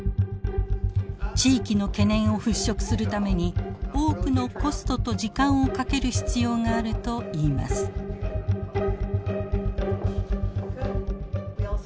地域の懸念を払拭するために多くのコストと時間をかける必要があるといいます。